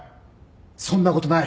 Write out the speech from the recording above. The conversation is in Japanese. そんなことない。